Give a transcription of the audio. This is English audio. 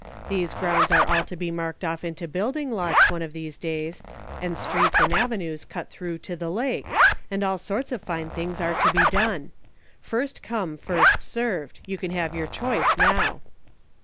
These grounds are all to be marked off into building lots one of these days, and streets and avenues cut through to the lake, and all sorts of fine things are to be done. First come, fiist served ; you can have your choice now."